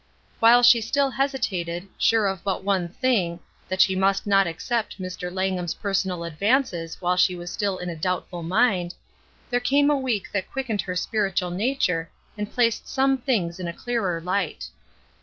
While she still hesitated, sure of but one thing, — that she must not accept Mr. Langham's personal advances while she was still in a doubt ful mind, — there came a week that quickened her spiritual nature and placed some things in a clearer light.